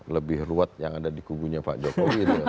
lebih ruwet yang ada di kugunya pak jokowi